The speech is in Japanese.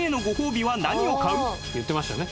言ってましたね。